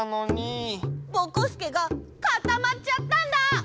ぼこすけがかたまっちゃったんだ！